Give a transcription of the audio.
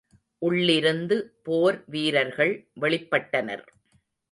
உள்ளிருந்து போர் வீரர்கள் வெளிப்பட்டனர்.